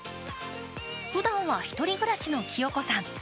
ふだんは１人暮らしのきよ子さん。